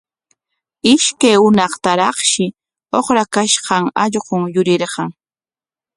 Ishkay hunaqtaraqshi uqrakashqan allqun yurirqan.